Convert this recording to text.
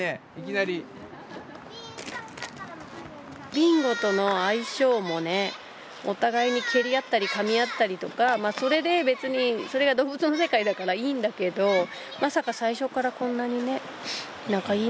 ビンゴとの相性もねお互いに蹴り合ったりかみ合ったりとかそれで別にそれが動物の世界だからいいんだけどまさか最初からこんなにね仲いいなんてね。